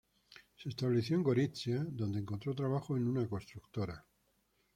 Se estableció en Gorizia, donde encontró trabajo en una constructora.